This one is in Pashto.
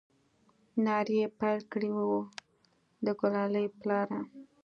نارې يې پيل كړې وه د ګلالي پلاره!